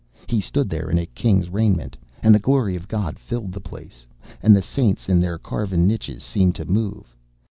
He stood there in a king's raiment, and the Glory of God filled the place, and the saints in their carven niches seemed to move.